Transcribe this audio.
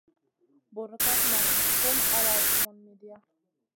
Burkaf nang hum ala sumun midia.